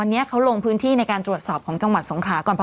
เจอครึ่งนึงแล้วนะ